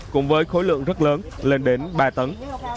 cùng với khối lượng rất lớn lên đến ba tấn